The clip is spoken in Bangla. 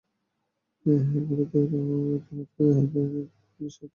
হাইকোর্ট দায়রা আদালতের রায়ের দিনই সাজা স্থগিত রেখে সালমানের জামিন মঞ্জুর করেছিলেন।